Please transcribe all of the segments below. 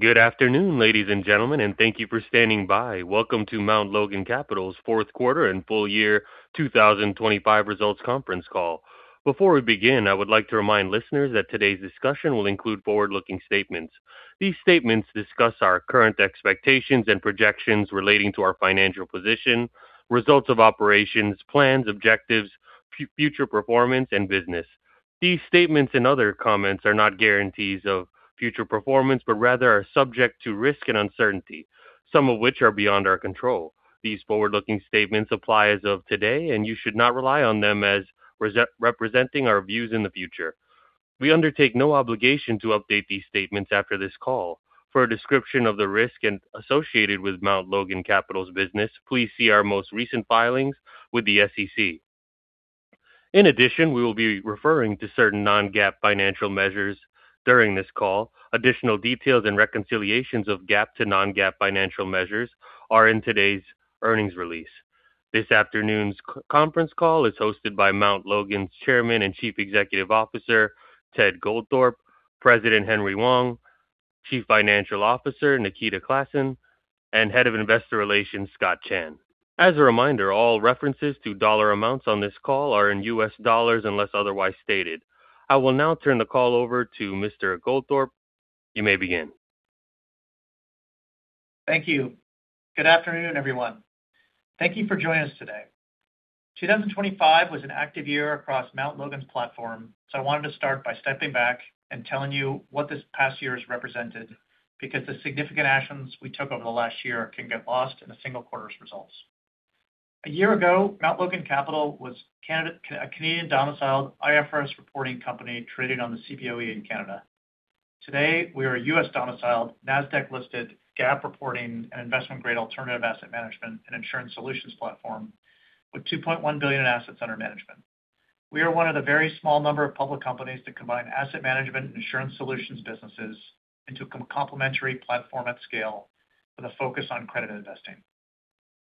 Good afternoon, ladies and gentlemen, and thank you for standing by. Welcome to Mount Logan Capital's fourth quarter and full year 2025 results conference call. Before we begin, I would like to remind listeners that today's discussion will include forward-looking statements. These statements discuss our current expectations and projections relating to our financial position, results of operations, plans, objectives, future performance, and business. These statements and other comments are not guarantees of future performance, but rather are subject to risk and uncertainty, some of which are beyond our control. These forward-looking statements apply as of today, and you should not rely on them as representing our views in the future. We undertake no obligation to update these statements after this call. For a description of the risk associated with Mount Logan Capital's business, please see our most recent filings with the SEC. In addition, we will be referring to certain non-GAAP financial measures during this call. Additional details and reconciliations of GAAP to non-GAAP financial measures are in today's earnings release. This afternoon's conference call is hosted by Mount Logan's Chairman and Chief Executive Officer, Ted Goldthorpe, President Henry Wang, Chief Financial Officer Nikita Klassen, and Head of Investor Relations Scott Chan. As a reminder, all references to dollar amounts on this call are in U.S. dollars unless otherwise stated. I will now turn the call over to Mr. Goldthorpe. You may begin. Thank you. Good afternoon, everyone. Thank you for joining us today. 2025 was an active year across Mount Logan's platform, so I wanted to start by stepping back and telling you what this past year has represented, because the significant actions we took over the last year can get lost in a single quarter's results. A year ago, Mount Logan Capital was a Canadian-domiciled IFRS reporting company traded on the Cboe Canada. Today, we are a U.S. domiciled, Nasdaq-listed GAAP reporting and investment-grade alternative asset management and insurance solutions platform with $2.1 billion in assets under management. We are one of the very small number of public companies to combine asset management and insurance solutions businesses into a complementary platform at scale with a focus on credit investing.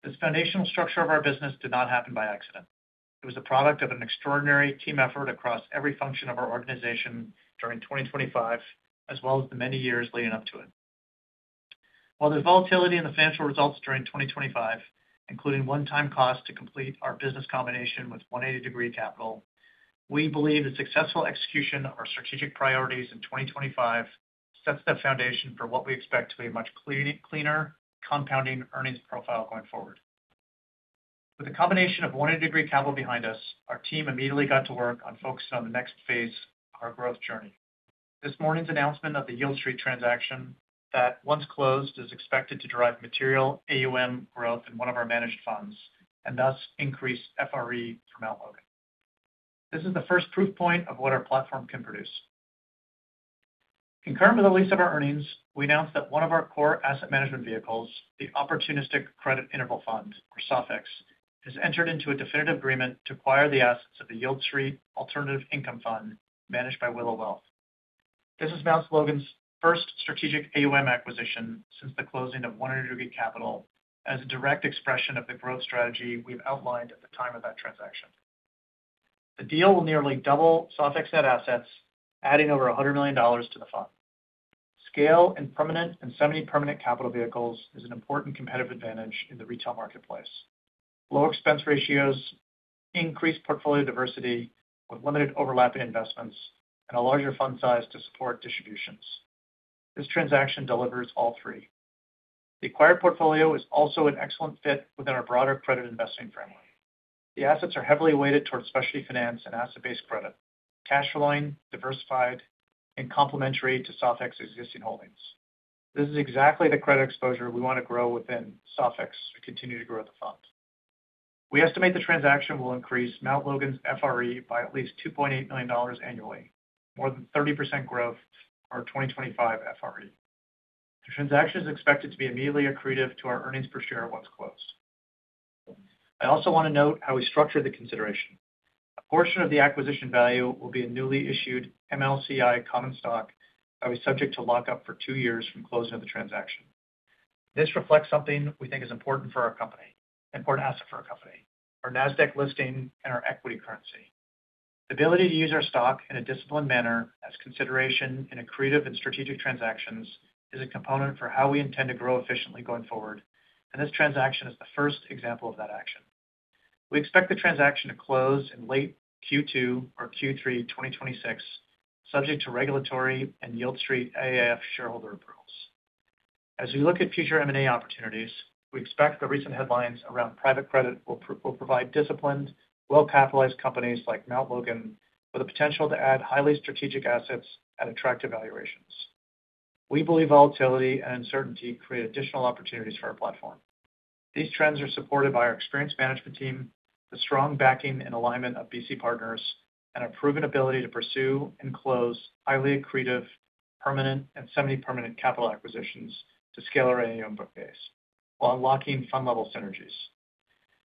This foundational structure of our business did not happen by accident. It was a product of an extraordinary team effort across every function of our organization during 2025, as well as the many years leading up to it. While there's volatility in the financial results during 2025, including one-time costs to complete our business combination with 180 Degree Capital, we believe the successful execution of our strategic priorities in 2025 sets the foundation for what we expect to be a much cleaner compounding earnings profile going forward. With the combination of 180 Degree Capital behind us, our team immediately got to work on focusing on the next phase of our growth journey. This morning's announcement of the Yieldstreet transaction that, once closed, is expected to drive material AUM growth in one of our managed funds and thus increase FRE through Mount Logan. This is the first proof point of what our platform can produce. Concurrent with the release of our earnings, we announced that one of our core asset management vehicles, the Opportunistic Credit Interval Fund, or SOFIX, has entered into a definitive agreement to acquire the assets of the Yieldstreet Alternative Income Fund managed by Willow Asset Management. This is Mount Logan Capital's first strategic AUM acquisition since the closing of 180 Degree Capital as a direct expression of the growth strategy we've outlined at the time of that transaction. The deal will nearly double SOFIX net assets, adding over $100 million to the fund. Scale and permanent and semi-permanent capital vehicles is an important competitive advantage in the retail marketplace. Lower expense ratios increase portfolio diversity with limited overlapping investments and a larger fund size to support distributions. This transaction delivers all three. The acquired portfolio is also an excellent fit within our broader credit investing framework. The assets are heavily weighted towards specialty finance and asset-based credit, cash flowing, diversified, and complementary to SOFIX existing holdings. This is exactly the credit exposure we want to grow within SOFIX to continue to grow the fund. We estimate the transaction will increase Mount Logan's FRE by at least $2.8 million annually, more than 30% growth for our 2025 FRE. The transaction is expected to be immediately accretive to our earnings per share once closed. I also want to note how we structured the consideration. A portion of the acquisition value will be a newly issued MLCI common stock that will be subject to lockup for two years from closing of the transaction. This reflects something we think is important for our company, important asset for our company, our Nasdaq listing and our equity currency. The ability to use our stock in a disciplined manner as consideration in accretive and strategic transactions is a component for how we intend to grow efficiently going forward, and this transaction is the first example of that action. We expect the transaction to close in late Q2 or Q3 2026, subject to regulatory and Yieldstreet AIF shareholder approvals. As we look at future M&A opportunities, we expect the recent headlines around private credit will provide disciplined, well-capitalized companies like Mount Logan with the potential to add highly strategic assets at attractive valuations. We believe volatility and uncertainty create additional opportunities for our platform. These trends are supported by our experienced management team, the strong backing and alignment of BC Partners, and a proven ability to pursue and close highly accretive permanent and semi-permanent capital acquisitions to scale our AUM book base while unlocking fund level synergies.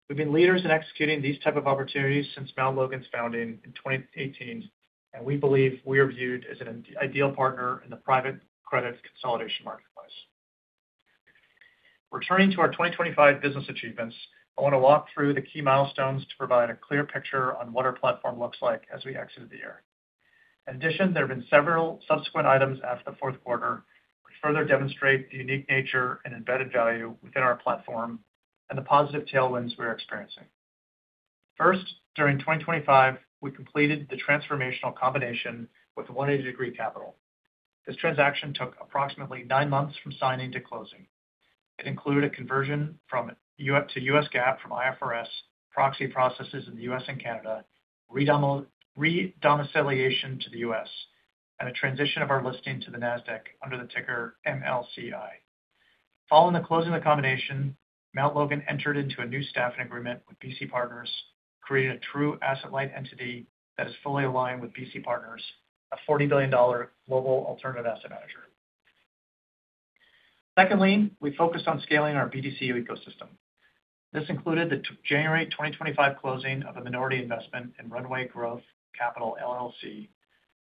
We've been leaders in executing these type of opportunities since Mount Logan Capital's founding in 2018, and we believe we are viewed as an ideal partner in the private credit consolidation marketplace. Returning to our 2025 business achievements, I want to walk through the key milestones to provide a clear picture on what our platform looks like as we exited the year. In addition, there have been several subsequent items after the fourth quarter, which further demonstrate the unique nature and embedded value within our platform and the positive tailwinds we are experiencing. First, during 2025, we completed the transformational combination with 180 Degree Capital. This transaction took approximately nine months from signing to closing. It included a conversion from U.S. to U.S. GAAP from IFRS proxy processes in the U.S. and Canada, redomiciliation to the U.S., and a transition of our listing to the Nasdaq under the ticker MLCI. Following the closing of the combination, Mount Logan entered into a new staffing agreement with BC Partners to create a true asset-light entity that is fully aligned with BC Partners, a $40 billion global alternative asset manager. Secondly, we focused on scaling our BDC ecosystem. This included the January 2025 closing of a minority investment in Runway Growth Capital LLC,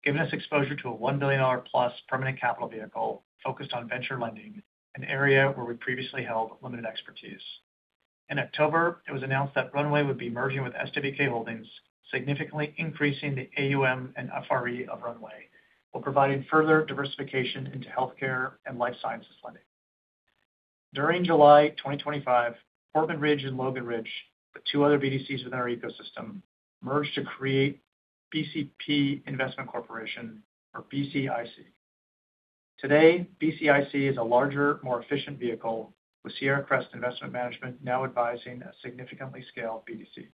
giving us exposure to a $1 billion+ permanent capital vehicle focused on venture lending, an area where we previously held limited expertise. In October, it was announced that Runway would be merging with SWK Holdings, significantly increasing the AUM and FRE of Runway, while providing further diversification into healthcare and life sciences lending. During July 2025, Portman Ridge and Logan Ridge, the two other BDCs within our ecosystem, merged to create BCP Investment Corporation, or BCIC. Today, BCIC is a larger, more efficient vehicle, with Sierra Crest Investment Management now advising a significantly scaled BDC.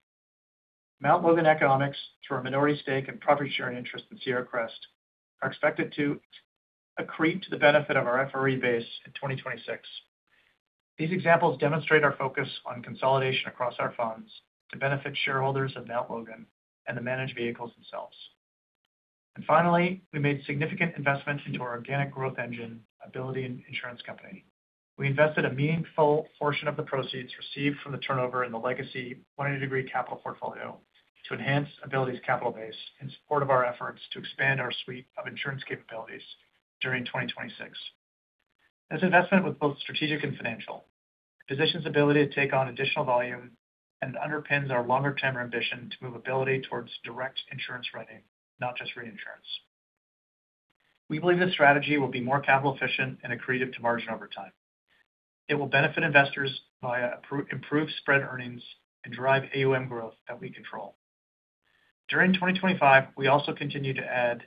Mount Logan Capital, through our minority stake in profit-sharing interest in Sierra Crest, are expected to accrete to the benefit of our FRE base in 2026. These examples demonstrate our focus on consolidation across our funds to benefit shareholders of Mount Logan and the managed vehicles themselves. Finally, we made significant investments into our organic growth engine, Ability Insurance Company. We invested a meaningful portion of the proceeds received from the turnover in the legacy 180 Degree Capital portfolio to enhance Ability's capital base in support of our efforts to expand our suite of insurance capabilities during 2026. This investment was both strategic and financial. It positions Ability to take on additional volume and underpins our longer-term ambition to move Ability towards direct insurance writing, not just reinsurance. We believe this strategy will be more capital efficient and accretive to margin over time. It will benefit investors via improved spread earnings and drive AUM growth that we control. During 2025, we also continued to add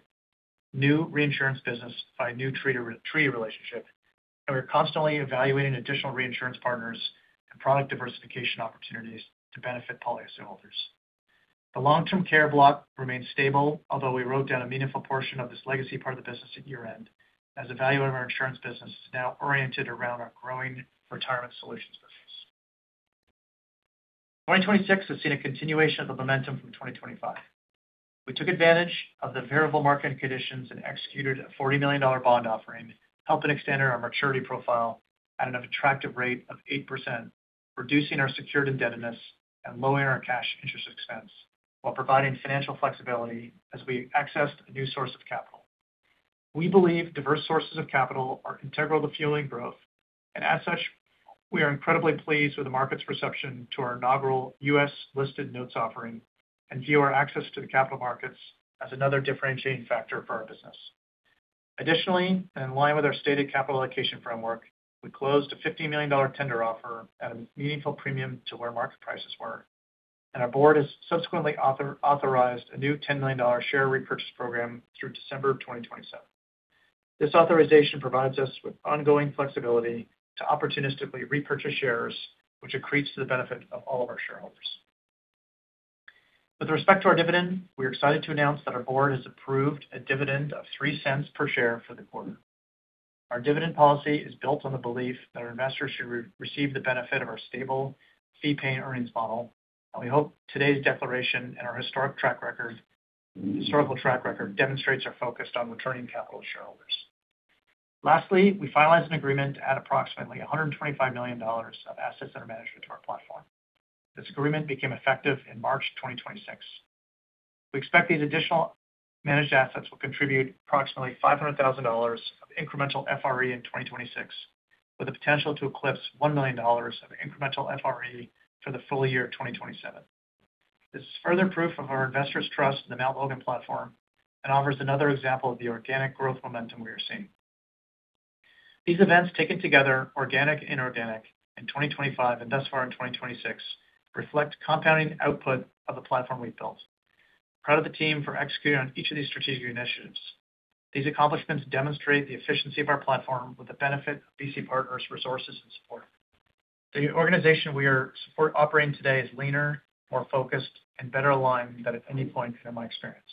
new reinsurance business by a new treaty relationship, and we are constantly evaluating additional reinsurance partners and product diversification opportunities to benefit policyholders. The long-term care block remains stable, although we wrote down a meaningful portion of this legacy part of the business at year-end, as the value of our insurance business is now oriented around our growing retirement solutions business. 2026 has seen a continuation of the momentum from 2025. We took advantage of the variable market conditions and executed a $40 million bond offering, helping extend our maturity profile at an attractive rate of 8%, reducing our secured indebtedness and lowering our cash interest expense while providing financial flexibility as we accessed a new source of capital. We believe diverse sources of capital are integral to fueling growth. As such, we are incredibly pleased with the market's reception to our inaugural U.S. listed notes offering and view our access to the capital markets as another differentiating factor for our business. Additionally, in line with our stated capital allocation framework, we closed a $50 million tender offer at a meaningful premium to where market prices were, and our board has subsequently authorized a new $10 million share repurchase program through December of 2027. This authorization provides us with ongoing flexibility to opportunistically repurchase shares, which accretes to the benefit of all of our shareholders. With respect to our dividend, we're excited to announce that our board has approved a dividend of $0.03 per share for the quarter. Our dividend policy is built on the belief that our investors should receive the benefit of our stable fee paying earnings model. We hope today's declaration and our historical track record demonstrates our focus on returning capital to shareholders. Lastly, we finalized an agreement to add approximately $125 million of assets under management to our platform. This agreement became effective in March 2026. We expect these additional managed assets will contribute approximately $500,000 of incremental FRE in 2026, with the potential to eclipse $1 million of incremental FRE for the full year of 2027. This is further proof of our investors' trust in the Mount Logan platform and offers another example of the organic growth momentum we are seeing. These events, taken together, organic and inorganic, in 2025 and thus far in 2026, reflect compounding output of the platform we've built. Proud of the team for executing on each of these strategic initiatives. These accomplishments demonstrate the efficiency of our platform with the benefit of BC Partners' resources and support. The organization we are supporting today is leaner, more focused, and better aligned than at any point in my experience.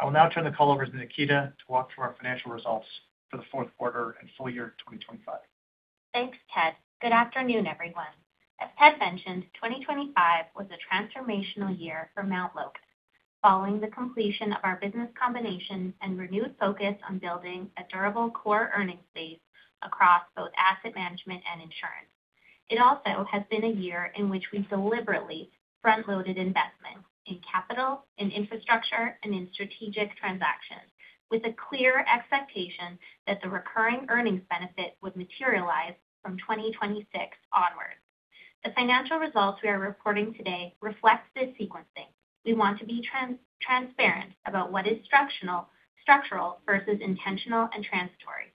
I will now turn the call over to Nikita to walk through our financial results for the fourth quarter and full year of 2025. Thanks, Ted. Good afternoon, everyone. As Ted mentioned, 2025 was a transformational year for Mount Logan. Following the completion of our business combination and renewed focus on building a durable core earnings base across both asset management and insurance. It also has been a year in which we've deliberately front-loaded investment in capital, in infrastructure, and in strategic transactions with a clear expectation that the recurring earnings benefit would materialize from 2026 onwards. The financial results we are reporting today reflect this sequencing. We want to be transparent about what is structural versus intentional and transitory.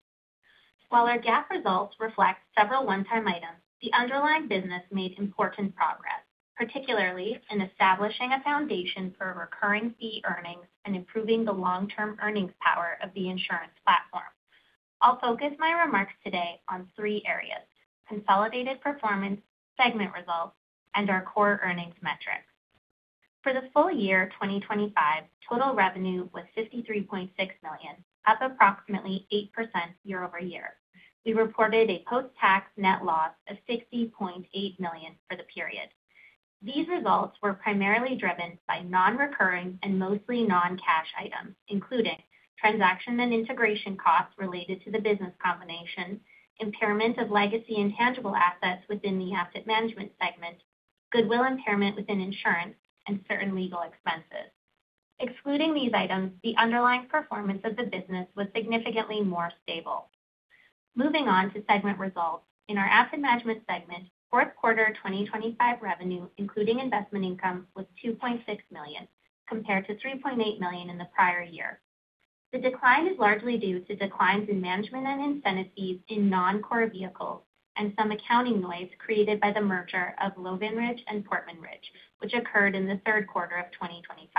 While our GAAP results reflect several one-time items, the underlying business made important progress, particularly in establishing a foundation for recurring fee earnings and improving the long-term earnings power of the insurance platform. I'll focus my remarks today on three areas, consolidated performance, segment results, and our core earnings metrics. For the full year 2025, total revenue was $53.6 million, up approximately 8% year-over-year. We reported a post-tax net loss of $60.8 million for the period. These results were primarily driven by non-recurring and mostly non-cash items, including transaction and integration costs related to the business combination, impairment of legacy intangible assets within the asset management segment, goodwill impairment within insurance, and certain legal expenses. Excluding these items, the underlying performance of the business was significantly more stable. Moving on to segment results. In our asset management segment, fourth quarter 2025 revenue, including investment income, was $2.6 million, compared to $3.8 million in the prior year. The decline is largely due to declines in management and incentive fees in non-core vehicles and some accounting noise created by the merger of Logan Ridge and Portman Ridge, which occurred in the third quarter of 2025.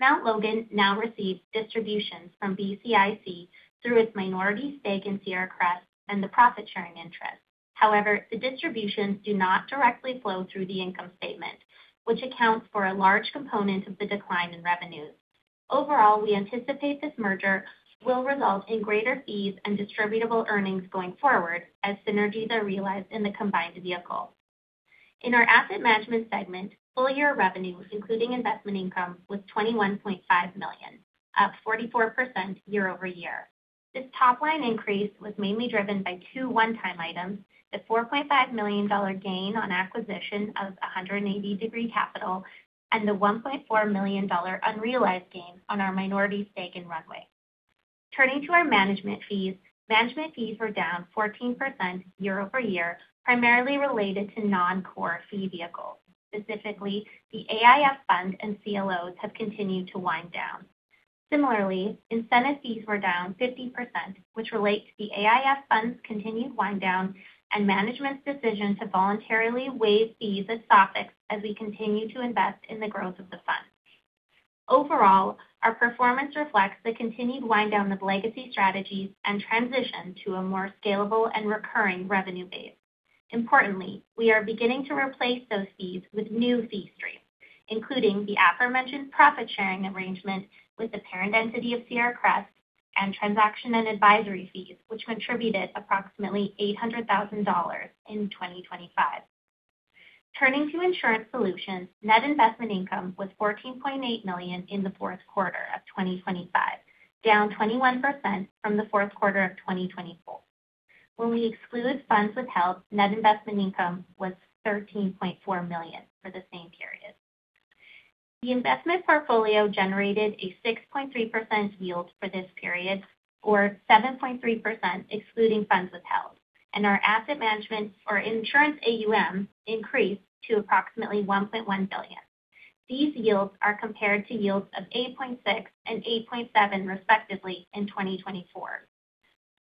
Mount Logan now receives distributions from BCIC through its minority stake in Sierra Crest and the profit-sharing interest. However, the distributions do not directly flow through the income statement, which accounts for a large component of the decline in revenues. Overall, we anticipate this merger will result in greater fees and distributable earnings going forward as synergies are realized in the combined vehicle. In our asset management segment, full-year revenue, including investment income, was $21.5 million, up 44% year-over-year. This top-line increase was mainly driven by two one-time items, the $4.5 million gain on acquisition of 180 Degree Capital and the $1.4 million unrealized gain on our minority stake in Runway Growth Capital. Turning to our management fees. Management fees were down 14% year-over-year, primarily related to non-core fee vehicles. Specifically, the AIF Fund and CLOs have continued to wind down. Similarly, incentive fees were down 50%, which relate to the AIF Fund's continued wind down and management's decision to voluntarily waive fees at SOFIX as we continue to invest in the growth of the fund. Overall, our performance reflects the continued wind down of legacy strategies and transition to a more scalable and recurring revenue base. Importantly, we are beginning to replace those fees with new fee streams, including the aforementioned profit-sharing arrangement with the parent entity of Sierra Crest and transaction and advisory fees, which contributed approximately $800,000 in 2025. Turning to insurance solutions. Net investment income was $14.8 million in the fourth quarter of 2025, down 21% from the fourth quarter of 2024. When we exclude funds withheld, net investment income was $13.4 million for the same period. The investment portfolio generated a 6.3% yield for this period, or 7.3% excluding funds withheld, and our asset management or insurance AUM increased to approximately $1.1 billion. These yields are compared to yields of 8.6% and 8.7%, respectively, in 2024.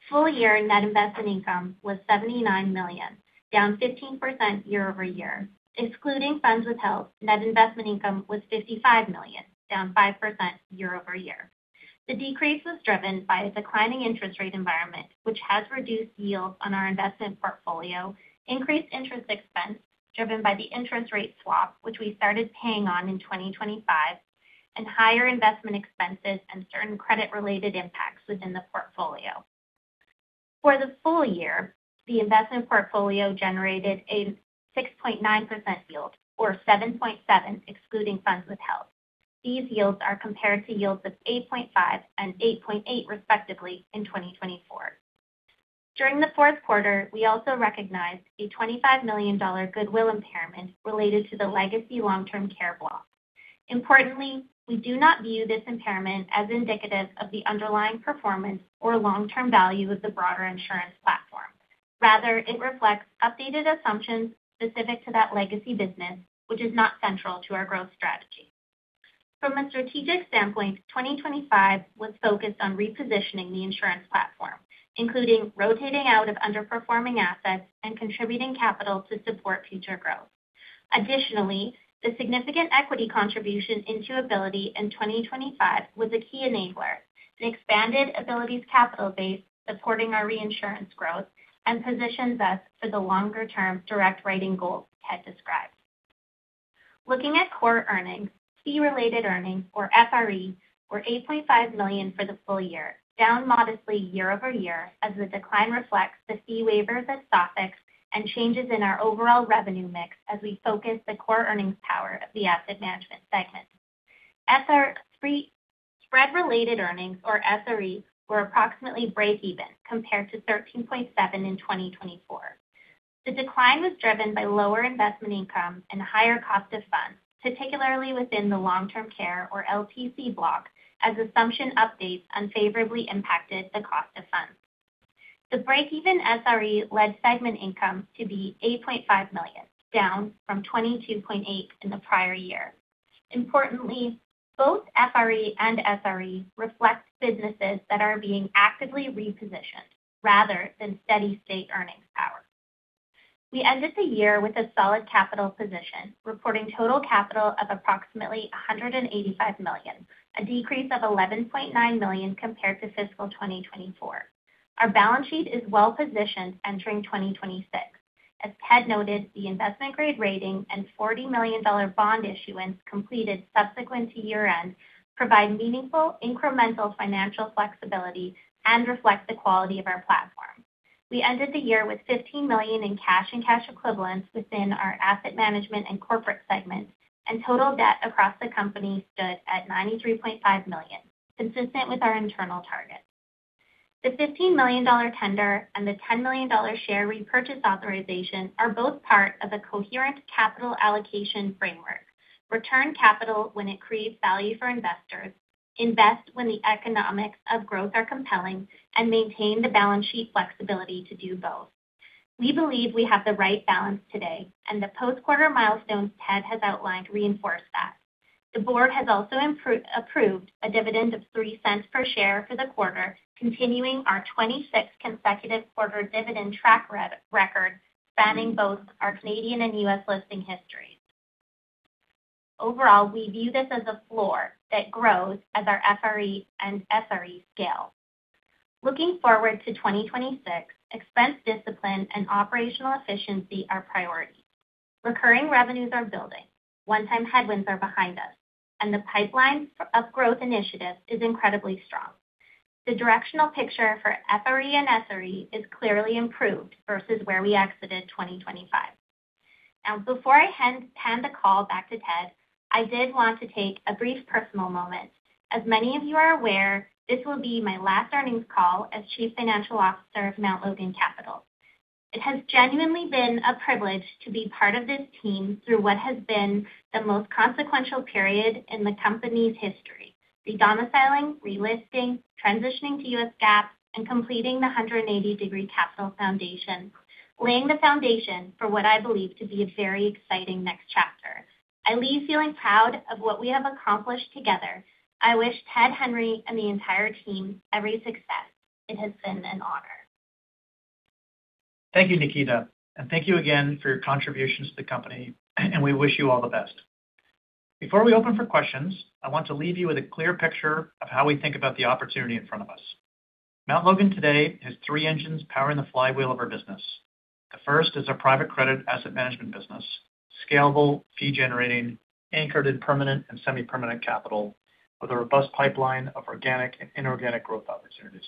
Full-year net investment income was $79 million, down 15% year-over-year. Excluding funds withheld, net investment income was $55 million, down 5% year-over-year. The decrease was driven by a declining interest rate environment, which has reduced yields on our investment portfolio, increased interest expense driven by the interest rate swap, which we started paying on in 2025, and higher investment expenses and certain credit-related impacts within the portfolio. For the full year, the investment portfolio generated a 6.9% yield or 7.7% excluding funds withheld. These yields are compared to yields of 8.5% and 8.8%, respectively, in 2024. During the fourth quarter, we also recognized a $25 million goodwill impairment related to the legacy long-term care block. Importantly, we do not view this impairment as indicative of the underlying performance or long-term value of the broader insurance platform. Rather, it reflects updated assumptions specific to that legacy business, which is not central to our growth strategy. From a strategic standpoint, 2025 was focused on repositioning the insurance platform, including rotating out of underperforming assets and contributing capital to support future growth. Additionally, the significant equity contribution into Ability in 2025 was a key enabler. It expanded Ability's capital base, supporting our reinsurance growth and positions us for the longer-term direct writing goals Ted described. Looking at core earnings. Fee-related earnings, or FRE, were $8.5 million for the full year, down modestly year-over-year as the decline reflects the fee waivers at SOFIX and changes in our overall revenue mix as we focus the core earnings power of the asset management segment. SRE—spread related earnings, or SREs, were approximately breakeven compared to $13.7 million in 2024. The decline was driven by lower investment income and higher cost of funds, particularly within the long-term care or LTC block, as assumption updates unfavorably impacted the cost of funds. The break-even SRE led segment income to be $8.5 million, down from $22.8 million in the prior year. Importantly, both FRE and SRE reflect businesses that are being actively repositioned rather than steady state earnings power. We ended the year with a solid capital position, reporting total capital of approximately $185 million, a decrease of $11.9 million compared to fiscal 2024. Our balance sheet is well-positioned entering 2026. As Ted noted, the investment grade rating and $40 million bond issuance completed subsequent to year-end provide meaningful incremental financial flexibility and reflect the quality of our platform. We ended the year with $15 million in cash and cash equivalents within our asset management and corporate segments, and total debt across the company stood at $93.5 million, consistent with our internal targets. The $15 million tender and the $10 million share repurchase authorization are both part of the coherent capital allocation framework. Return capital when it creates value for investors, invest when the economics of growth are compelling, and maintain the balance sheet flexibility to do both. We believe we have the right balance today, and the post-quarter milestones Ted has outlined reinforce that. The board has also approved a dividend of $0.3 per share for the quarter, continuing our 26th consecutive quarter dividend track record spanning both our Canadian and U.S. listing histories. Overall, we view this as a floor that grows as our FRE and SRE scale. Looking forward to 2026, expense discipline and operational efficiency are priorities. Recurring revenues are building, one-time headwinds are behind us, and the pipeline of growth initiatives is incredibly strong. The directional picture for FRE and SRE is clearly improved versus where we exited 2025. Now, before I hand the call back to Ted, I did want to take a brief personal moment. As many of you are aware, this will be my last earnings call as Chief Financial Officer of Mount Logan Capital. It has genuinely been a privilege to be part of this team through what has been the most consequential period in the company's history. The domiciling, relisting, transitioning to U.S. GAAP, and completing the 180 Degree Capital foundation, laying the foundation for what I believe to be a very exciting next chapter. I leave feeling proud of what we have accomplished together. I wish Ted and Henry and the entire team every success. It has been an honor. Thank you, Nikita, and thank you again for your contributions to the company, and we wish you all the best. Before we open for questions, I want to leave you with a clear picture of how we think about the opportunity in front of us. Mount Logan today has three engines powering the flywheel of our business. The first is our private credit asset management business. Scalable, fee generating, anchored in permanent and semi-permanent capital, with a robust pipeline of organic and inorganic growth opportunities.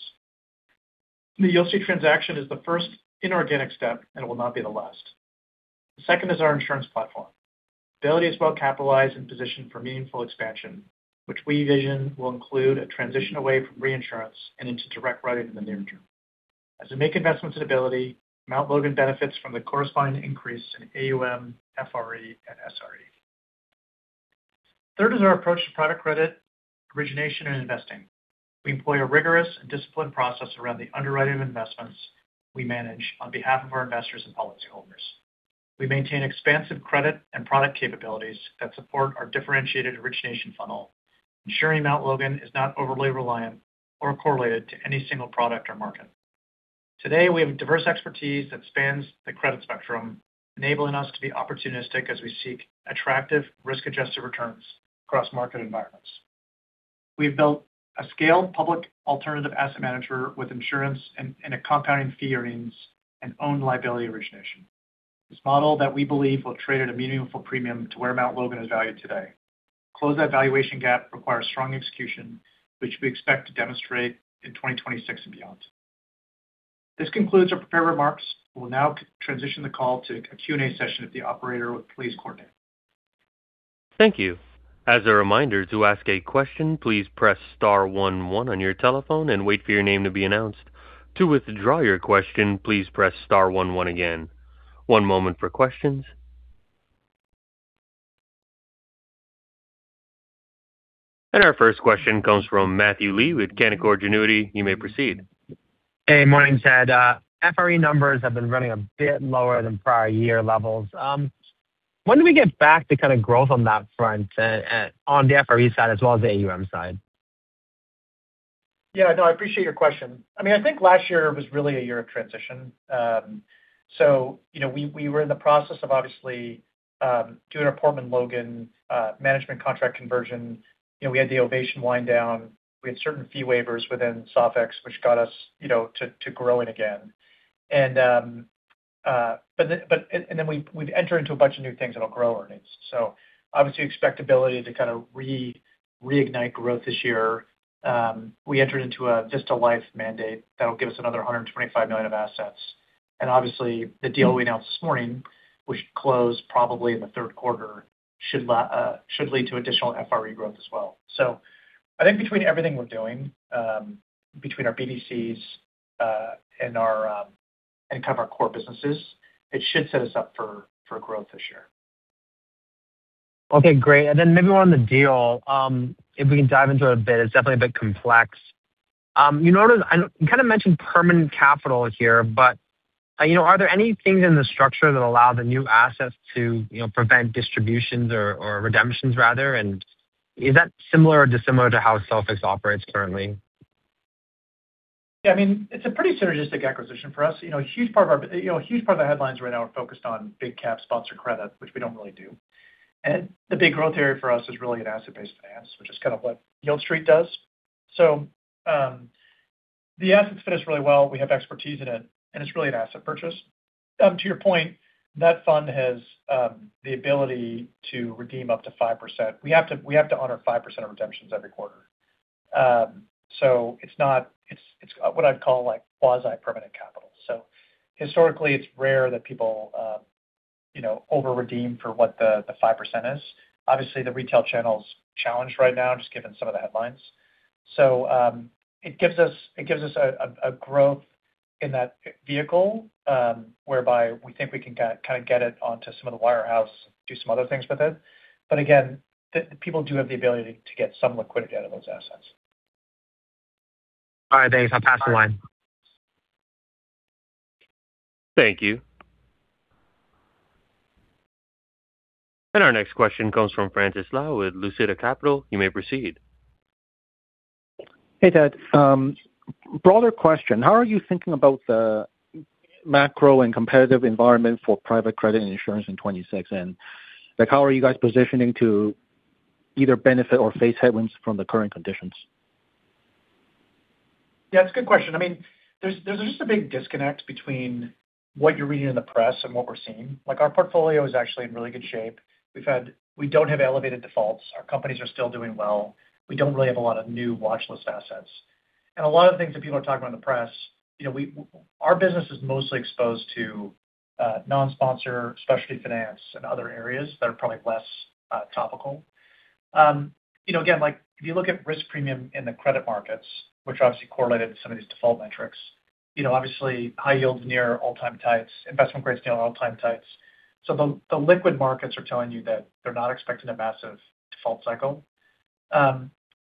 The Yieldstreet transaction is the first inorganic step and will not be the last. The second is our insurance platform. Ability is well capitalized and positioned for meaningful expansion, which we envision will include a transition away from reinsurance and into direct writing in the near term. As we make investments in Ability, Mount Logan benefits from the corresponding increase in AUM, FRE, and SRE. Third is our approach to product credit origination and investing. We employ a rigorous and disciplined process around the underwriting of investments we manage on behalf of our investors and policy holders. We maintain expansive credit and product capabilities that support our differentiated origination funnel, ensuring Mount Logan is not overly reliant or correlated to any single product or market. Today, we have diverse expertise that spans the credit spectrum, enabling us to be opportunistic as we seek attractive risk-adjusted returns across market environments. We've built a scaled public alternative asset manager with insurance and a compounding fee earnings and own liability origination. This model that we believe will trade at a meaningful premium to where Mount Logan is valued today. To close that valuation gap requires strong execution, which we expect to demonstrate in 2026 and beyond. This concludes our prepared remarks. We'll now transition the call to a Q&A session if the operator would please coordinate. Thank you. As a reminder, to ask a question, please press star 1-1 on your telephone and wait for your name to be announced. To withdraw your question, please press star 1-1 again. One moment for questions. Our first question comes from Matthew Lee with Canaccord Genuity. You may proceed. Hey, morning, Ted. FRE numbers have been running a bit lower than prior year levels. When do we get back to kind of growth on that front, on the FRE side as well as the AUM side? Yeah, no, I appreciate your question. I mean, I think last year was really a year of transition. So, you know, we were in the process of obviously doing our Portman Logan management contract conversion. You know, we had the Ovation wind down. We had certain fee waivers within SOFIX, which got us, you know, to growing again. We've entered into a bunch of new things that'll grow earnings. Obviously expect Ability to kind of reignite growth this year. We entered into a Vista Life mandate that'll give us another $125 million of assets. Obviously the deal we announced this morning, which closed probably in the third quarter, should lead to additional FRE growth as well. I think between everything we're doing, between our BDCs and kind of our core businesses, it should set us up for growth this year. Okay, great. Maybe on the deal, if we can dive into it a bit. It's definitely a bit complex. You know what? You kind of mentioned permanent capital here, but, you know, are there any things in the structure that allow the new assets to, you know, prevent distributions or redemptions rather? Is that similar or dissimilar to how SOFIX operates currently? Yeah. I mean, it's a pretty synergistic acquisition for us. You know, a huge part of the headlines right now are focused on big cap sponsor credit, which we don't really do. The big growth area for us is really in asset-based finance, which is kind of what Yieldstreet does. The assets fit us really well. We have expertise in it, and it's really an asset purchase. To your point, that fund has the ability to redeem up to 5%. We have to honor 5% of redemptions every quarter. It's not. It's what I'd call, like, quasi-permanent capital. Historically, it's rare that people over-redeem for what the 5% is. Obviously, the retail channel's challenged right now, just given some of the headlines. It gives us a growth in that vehicle, whereby we think we can kind of get it onto some of the wirehouse, do some other things with it. But again, the people do have the ability to get some liquidity out of those assets. All right, thanks. I'll pass the line. Thank you. Our next question comes from Francis Lau with Lucida Capital. You may proceed. Hey, Ted. Broader question: how are you thinking about the macro and competitive environment for private credit and insurance in 2026? Like, how are you guys positioning to either benefit or face headwinds from the current conditions? Yeah, it's a good question. I mean, there's just a big disconnect between what you're reading in the press and what we're seeing. Like, our portfolio is actually in really good shape. We don't have elevated defaults. Our companies are still doing well. We don't really have a lot of new watchlist assets. And a lot of the things that people are talking about in the press, you know, our business is mostly exposed to non-sponsor specialty finance and other areas that are probably less topical. You know, again, like, if you look at risk premium in the credit markets, which obviously correlated to some of these default metrics, you know, obviously high yield is near all-time tights, investment grade spreads all-time tights. The liquid markets are telling you that they're not expecting a massive default cycle.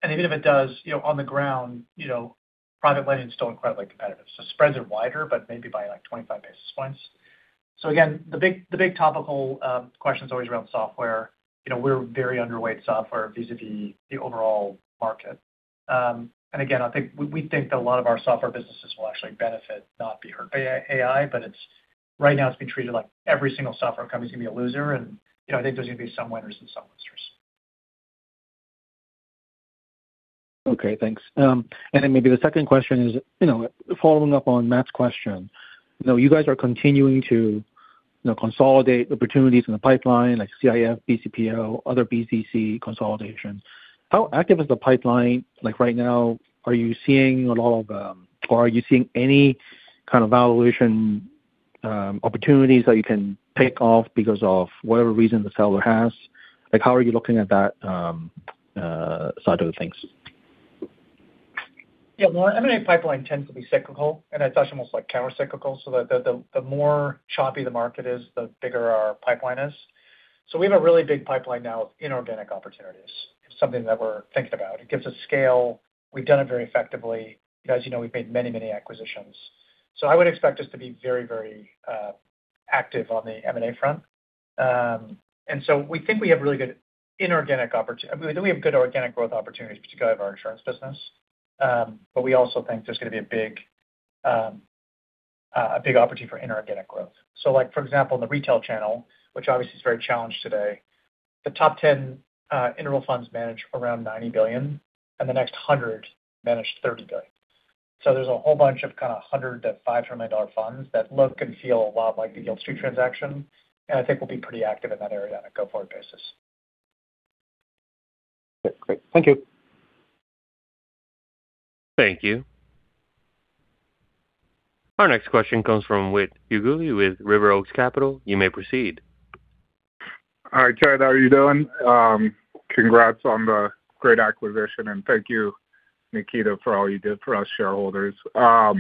Even if it does, you know, on the ground, you know, private lending is still incredibly competitive. Spreads are wider, but maybe by like 25 basis points. Again, the big topical question is always around software. You know, we're very underweight software vis-à-vis the overall market. Again, I think we think that a lot of our software businesses will actually benefit, not be hurt by AI, but it's right now being treated like every single software company is gonna be a loser and, you know, I think there's gonna be some winners and some losers. Okay, thanks. Maybe the second question is, you know, following up on Matt's question. You know, you guys are continuing to, you know, consolidate opportunities in the pipeline like OCIF, BCPO, other BDC consolidations. How active is the pipeline? Like right now, are you seeing a lot of, or are you seeing any kind of valuation opportunities that you can pick off because of whatever reason the seller has? Like, how are you looking at that side of things? Yeah. Well, our M&A pipeline tends to be cyclical, and it's actually almost like countercyclical, so the more choppy the market is, the bigger our pipeline is. We have a really big pipeline now of inorganic opportunities. It's something that we're thinking about. It gives us scale. We've done it very effectively. As you know, we've made many acquisitions. I would expect us to be very active on the M&A front. We think we have really good inorganic opportunities. I believe we have good organic growth opportunities, particularly in our insurance business. We also think there's gonna be a big opportunity for inorganic growth. Like for example, in the retail channel, which obviously is very challenged today, the top 10 interval funds manage around $90 billion, and the next 100 manage $30 billion. There's a whole bunch of kind of $100 million-$500 million funds that look and feel a lot like the Yieldstreet transaction, and I think we'll be pretty active in that area on a go-forward basis. Okay, great. Thank you. Thank you. Our next question comes from Whit Huguley with River Oaks Capital. You may proceed. All right, Ted, how are you doing? Congrats on the great acquisition, and thank you, Nikita, for all you did for us shareholders. I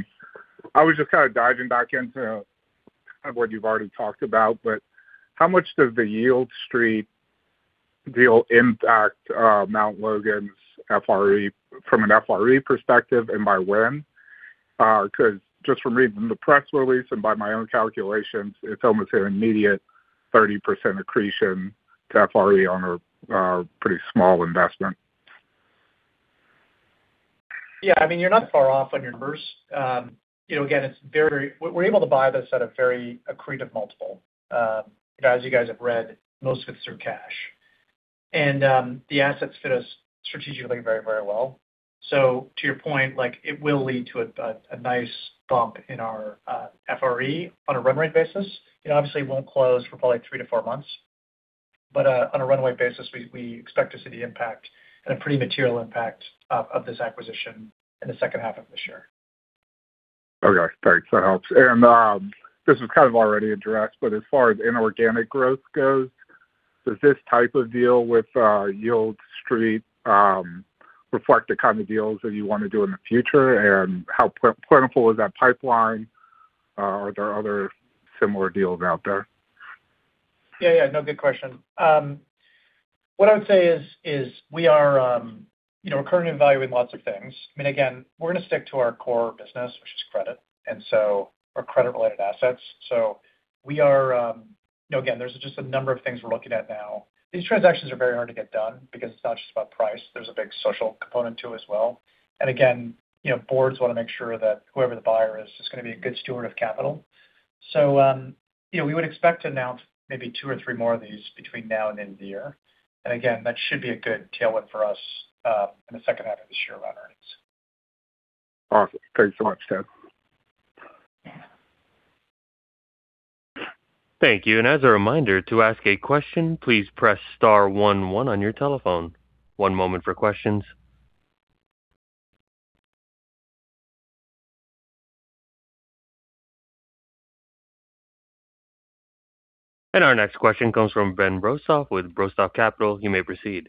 was just kind of diving back into kind of what you've already talked about, but how much does the Yieldstreet deal impact Mount Logan's FRE from an FRE perspective and by when? 'Cause just from reading the press release and by my own calculations, it's almost an immediate 30% accretion to FRE on a pretty small investment. Yeah. I mean, you're not far off on your numbers. You know, again, we're able to buy this at a very accretive multiple. As you guys have read, most of it's through cash. The assets fit us strategically very, very well. To your point, like, it will lead to a nice bump in our FRE on a run-rate basis. It obviously won't close for probably three to four months. On a run-rate basis, we expect to see the impact and a pretty material impact of this acquisition in the second half of this year. Okay. Thanks. That helps. This was kind of already addressed, but as far as inorganic growth goes, does this type of deal with Yieldstreet reflect the kind of deals that you wanna do in the future? How plentiful is that pipeline? Are there other similar deals out there? Yeah, yeah. No, good question. What I would say is we are you know currently evaluating lots of things. I mean, again, we're gonna stick to our core business, which is credit, and so our credit-related assets. We are you know again there's just a number of things we're looking at now. These transactions are very hard to get done because it's not just about price. There's a big social component too as well. Again, you know, boards wanna make sure that whoever the buyer is gonna be a good steward of capital. We would expect to announce maybe two or three more of these between now and end of the year. Again, that should be a good tailwind for us in the second half of this year around earnings. Awesome. Thanks so much, Ted. Thank you. As a reminder, to ask a question, please press star 1-1 on your telephone. One moment for questions. Our next question comes from Ben Brostoff with Brostoff Capital. You may proceed.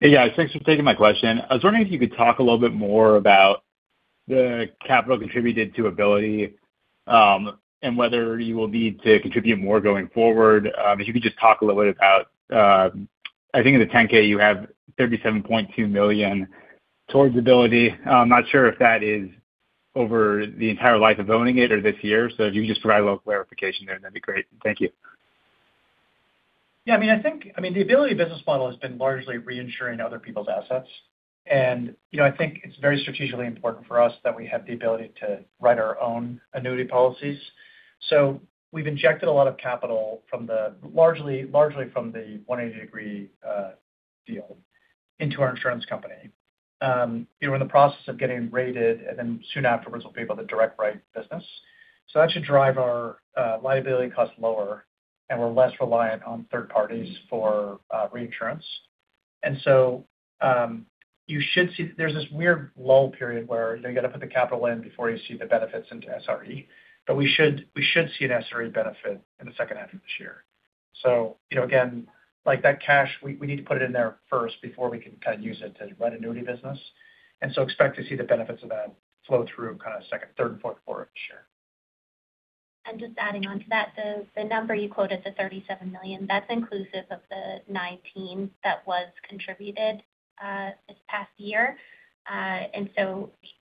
Hey, guys. Thanks for taking my question. I was wondering if you could talk a little bit more about the capital contributed to Ability, and whether you will need to contribute more going forward. If you could just talk a little bit about, I think in the 10-K you have $37.2 million towards Ability. I'm not sure if that is over the entire life of owning it or this year. If you can just provide a little clarification there, that'd be great. Thank you. Yeah, I mean, I think the Ability business model has been largely reinsuring other people's assets. You know, I think it's very strategically important for us that we have the ability to write our own annuity policies. We've injected a lot of capital largely from the 180 Degree deal into our insurance company. We're in the process of getting rated, and then soon afterwards we'll be able to direct write business. That should drive our liability costs lower, and we're less reliant on third parties for reinsurance. You should see. There's this weird lull period where, you know, you got to put the capital in before you see the benefits into SRE. We should see an SRE benefit in the second half of this year. You know, again, like that cash, we need to put it in there first before we can kind of use it to run annuity business. Expect to see the benefits of that flow through kind of second, third, and fourth quarter of this year. Just adding on to that, the number you quoted, the $37 million, that's inclusive of the $19 million that was contributed this past year.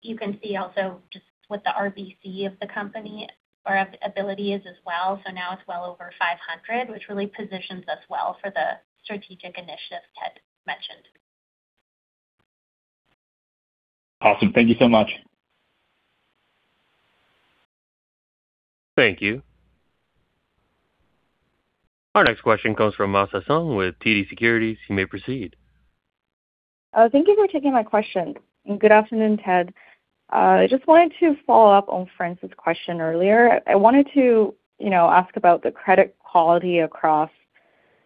You can see also just what the RBC of the company or of Ability is as well. Now it's well over 500, which really positions us well for the strategic initiatives Ted mentioned. Awesome. Thank you so much. Thank you. Our next question comes from Masa Sung with TD Securities. You may proceed. Thank you for taking my question. Good afternoon, Ted. I just wanted to follow up on Francis' question earlier. I wanted to, you know, ask about the credit quality across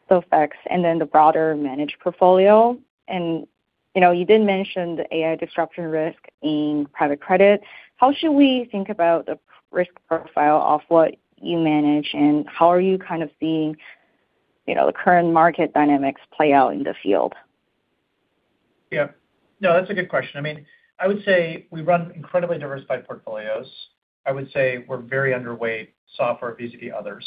SOFIX and then the broader managed portfolio. You know, you did mention the AI disruption risk in private credit. How should we think about the risk profile of what you manage, and how are you kind of seeing, you know, the current market dynamics play out in the field? Yeah. No, that's a good question. I mean, I would say we run incredibly diversified portfolios. I would say we're very underweight software, BDC others.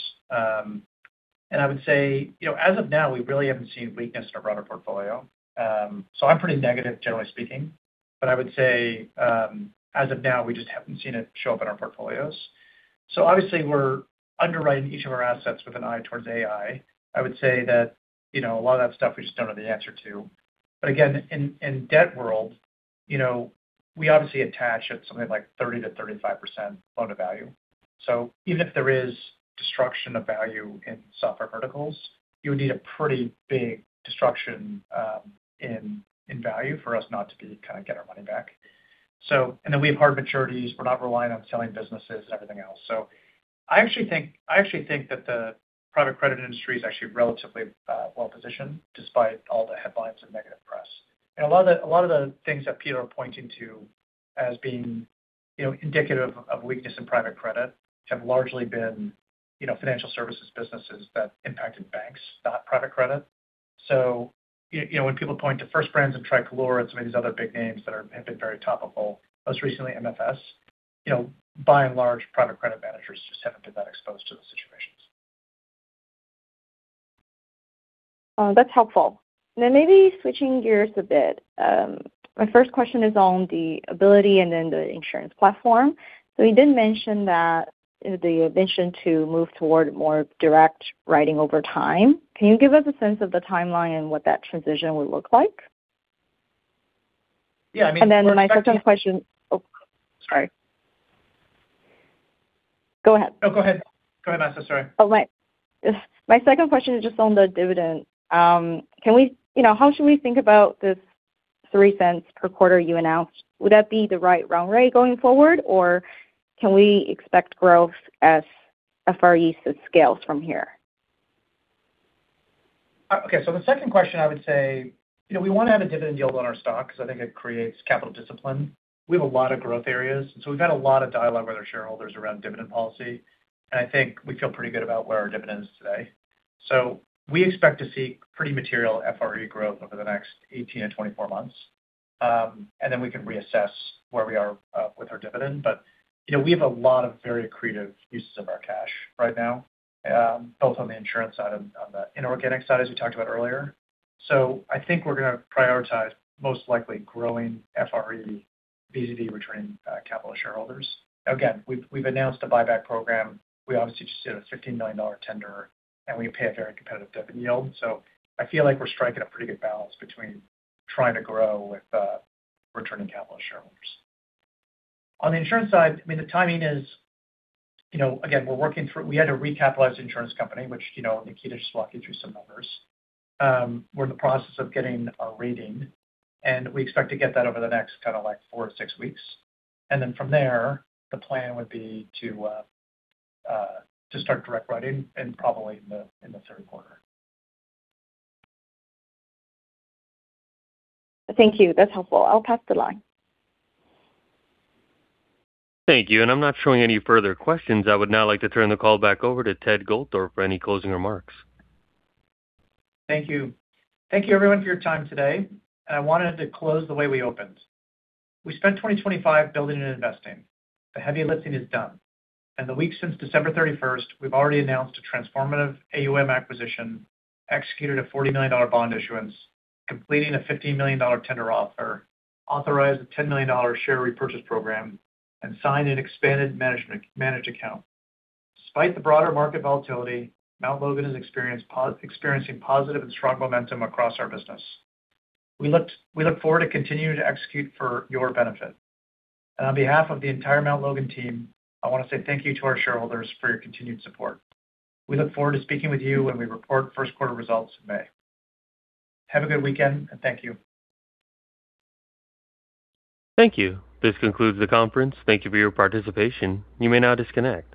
I would say, you know, as of now, we really haven't seen weakness in our broader portfolio. I'm pretty negative, generally speaking. I would say, as of now, we just haven't seen it show up in our portfolios. Obviously we're underwriting each of our assets with an eye towards AI. I would say that, you know, a lot of that stuff we just don't know the answer to. Again, in debt world, you know, we obviously attach at something like 30%-35% loan to value. Even if there is destruction of value in software verticals, you would need a pretty big destruction in value for us not to kind of get our money back. Then we have hard maturities. We're not relying on selling businesses, everything else. I actually think that the private credit industry is actually relatively well positioned despite all the headlines and negative press. A lot of the things that people are pointing to as being, you know, indicative of weakness in private credit have largely been, you know, financial services businesses that impacted banks, not private credit. You know, when people point to First Brands and Tricolor and some of these other big names that have been very topical, most recently MFS, you know, by and large, private credit managers just haven't been that exposed to those situations. That's helpful. Now maybe switching gears a bit, my first question is on the Ability and then the insurance platform. You did mention that the ambition to move toward more direct writing over time. Can you give us a sense of the timeline and what that transition would look like? Yeah, I mean. Oh, sorry. Go ahead. No, go ahead. Go ahead, Masa. Sorry. Oh, my. My second question is just on the dividend. You know, how should we think about this $0.03 per quarter you announced. Would that be the right run rate going forward, or can we expect growth as FRE scales from here? Okay. The second question, I would say, you know, we want to have a dividend yield on our stock because I think it creates capital discipline. We have a lot of growth areas, and so we've had a lot of dialogue with our shareholders around dividend policy, and I think we feel pretty good about where our dividend is today. We expect to see pretty material FRE growth over the next 18-24 months. And then we can reassess where we are with our dividend. You know, we have a lot of very creative uses of our cash right now, both on the insurance side and on the inorganic side, as we talked about earlier. I think we're going to prioritize most likely growing FRE vis-a-vis returning capital to shareholders. Again, we've announced a buyback program. We obviously just did a $15 million tender, and we pay a very competitive dividend yield. I feel like we're striking a pretty good balance between trying to grow with returning capital to shareholders. On the insurance side, I mean, the timing is, you know, again, we're working through. We had to recapitalize the insurance company, which, you know, Nikita just walked you through some numbers. We're in the process of getting a rating, and we expect to get that over the next kind of, like, four to six weeks. Then from there, the plan would be to start direct writing and probably in the third quarter. Thank you. That's helpful. I'll pass the line. Thank you. I'm not showing any further questions. I would now like to turn the call back over to Ted Goldthorpe for any closing remarks. Thank you. Thank you everyone for your time today, and I wanted to close the way we opened. We spent 2025 building and investing. The heavy lifting is done. In the weeks since December 31, we've already announced a transformative AUM acquisition, executed a $40 million bond issuance, completing a $15 million tender offer, authorized a $10 million share repurchase program, and signed an expanded managed account. Despite the broader market volatility, Mount Logan is experiencing positive and strong momentum across our business. We look forward to continuing to execute for your benefit. On behalf of the entire Mount Logan team, I want to say thank you to our shareholders for your continued support. We look forward to speaking with you when we report first quarter results in May. Have a good weekend, and thank you. Thank you. This concludes the conference. Thank you for your participation. You may now disconnect.